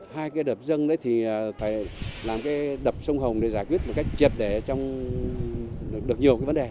hai cái đập dân đấy thì phải làm cái đập sông hồng để giải quyết một cách triệt để được nhiều cái vấn đề